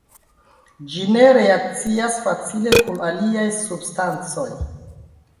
Ĝi ne reakcias facile kun aliaj substancoj.